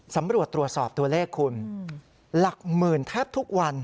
สำรวจตรวจสอบตัวเลขคุณหลักหมื่นแทบทุกวัน